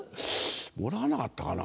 もらわなかったかな。